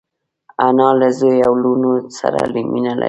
انا له زوی او لوڼو سره مینه لري